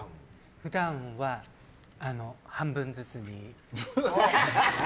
普段は半分ずつに。